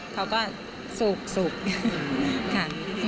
เขาก็สุกค่ะ